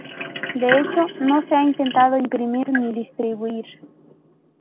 De hecho, no se ha intentado imprimir ni distribuir".